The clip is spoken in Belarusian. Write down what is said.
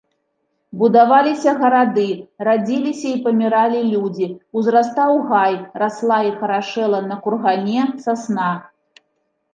Будаваліся гарады, радзіліся і паміралі людзі, узрастаў гай, расла і харашэла на кургане сасна.